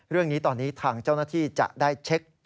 เรื่องนี้ตอนนี้ทางเจ้าหน้าที่จะได้เช็ค